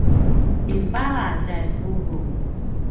ivala tjai vuvu